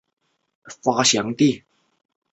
该庙是科尔沁左翼中旗格鲁派的发祥地。